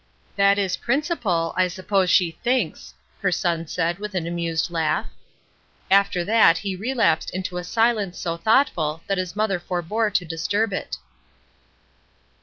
"That is principle, I suppose she thinks," her son said, with an amused laugh. After that he relapsed into a silence so thoughtful that his mother forebore to disturb it.